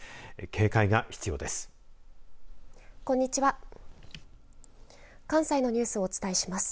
警戒が必要です。